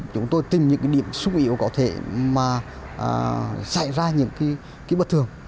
chúng tôi tìm những điểm xúc yếu có thể mà xảy ra những cái bất thường